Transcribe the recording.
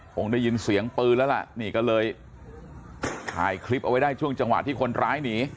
คงได้ยินเสียงปืนแล้วล่ะนี่ก็เลยถ่ายคลิปเอาไว้ได้ช่วงจังหวะที่คนร้ายหนี